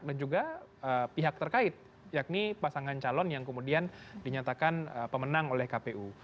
dan juga pihak terkait yakni pasangan calon yang kemudian dinyatakan pemenang oleh kpu